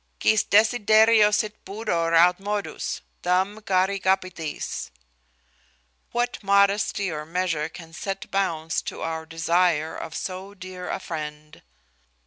_Quis desiderio sit pudor aut modus Tam chari capitis?_[*] [*] "What modesty or measure can set bounds to our desire of so dear a friend?"